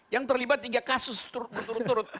yang terlibat tiga kasus berturut turut